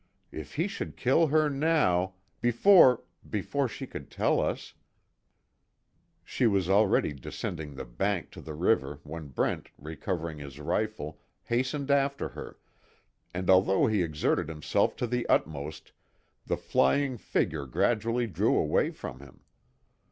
If he should kill her now before before she could tell us " She was already descending the bank to the river when Brent recovering his rifle, hastened after her, and although he exerted himself to the utmost, the flying figure gradually drew away from him.